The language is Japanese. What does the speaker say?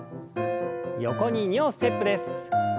横に２歩ステップです。